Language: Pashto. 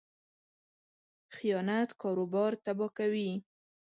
خیانت کاروبار تباه کوي.